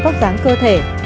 vóc dáng cơ thể